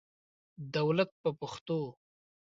دولت په پښتو.